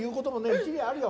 一理あるよ。